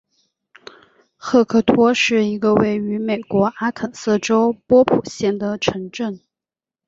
赫克托是一个位于美国阿肯色州波普县的城镇。